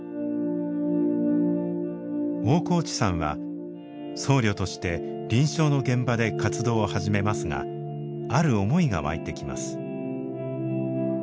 大河内さんは僧侶として臨床の現場で活動を始めますがある思いが湧いてきます。